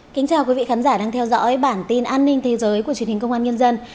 kính chào quý vị khán giả đang theo dõi bản tin an ninh thế giới của truyền hình công an nhân dân